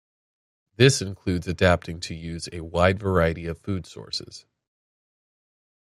This includes adapting to use a wide variety of food sources.